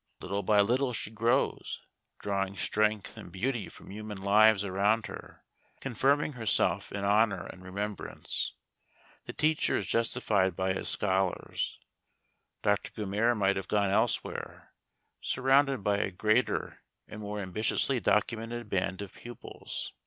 Little by little she grows, drawing strength and beauty from human lives around her, confirming herself in honour and remembrance. The teacher is justified by his scholars. Doctor Gummere might have gone elsewhere, surrounded by a greater and more ambitiously documented band of pupils.